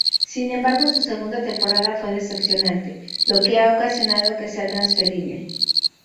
Sin embargo su segunda temporada fue decepcionante, lo que ha ocasionado que sea transferible.